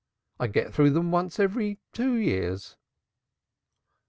I get through them once every two years."